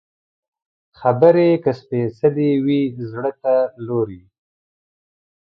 خبرې که سپېڅلې وي، زړه ته لوري